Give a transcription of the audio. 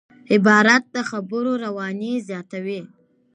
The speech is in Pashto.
عبارت د خبرو رواني زیاتوي.